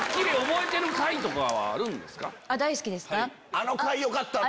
あの回よかった！って。